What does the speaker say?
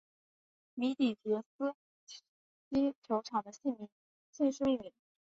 米底捷斯基球场的姓氏命名。